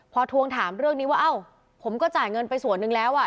พอทวงถามเรื่องนี้ว่าเอ้าผมก็จ่ายเงินไปส่วนหนึ่งแล้วอ่ะ